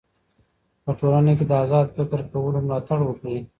په ټولنه کي د ازاد فکر کولو ملاتړ وکړئ.